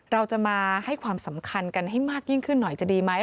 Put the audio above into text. เราจะมาให้ความสำคัญกันให้มากยิ่งขึ้นหน่อยจะดีไหม